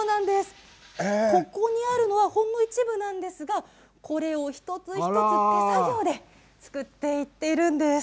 ここにあるのはほんの一部なんですがこれを一つ一つ手作業で作っていっているんです。